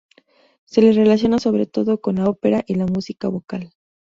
Se le relaciona sobre todo con la ópera y la música vocal.